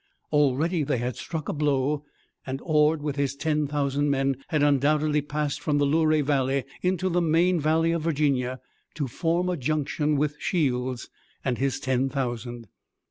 Already they had struck a blow and Ord with his ten thousand men had undoubtedly passed from the Luray Valley into the main Valley of Virginia to form a junction with Shields and his ten thousand.